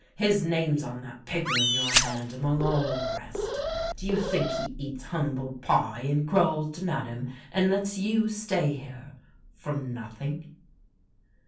His name's on that paper in your hand among all the rest. Do you think he eats humble pie and crawls to Madame and lets you stay here — for noth ing?